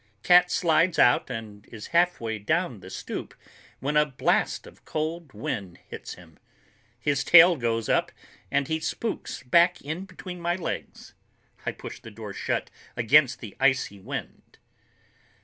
Cat slides out and is halfway down the stoop when a blast of cold wind hits him. His tail goes up and he spooks back in between my legs. I push the door shut against the icy wind.